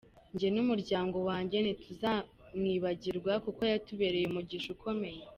Njye n’umuryango wanjye ntituzamwibagirwa kuko yatubereye umugisha ukomeye.